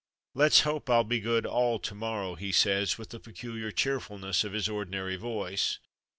"Let's hope I'll be good all to morrow," he says with the peculiar cheerfulness of his ordinary voice.